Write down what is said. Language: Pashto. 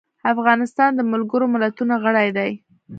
افغانستان د ملګرو ملتونو غړی دی.